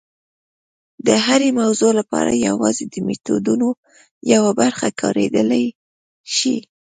د هرې موضوع لپاره یوازې د میتودونو یوه برخه کارېدلی شي.